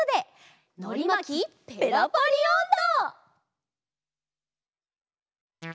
「のりまきペラパリおんど」！